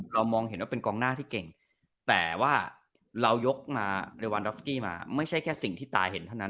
มองเห็นว่าเป็นกองหน้าที่เก่งแต่ว่าเรายกมาเรวันดอฟสกี้มาไม่ใช่แค่สิ่งที่ตาเห็นเท่านั้น